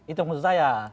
itu maksud saya